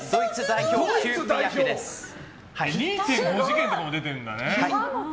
２．５次元とかも出てるんだね。